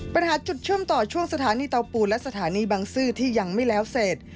ปัญหาจุดเชื่อมต่อช่วงสถานีเตาปูนและสถานีบังซื้อที่ยังไม่แล้วเสร็จ